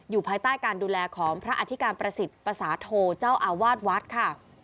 ภายใต้การดูแลของพระอธิการประสิทธิ์ประสาทโทเจ้าอาวาสวัดค่ะ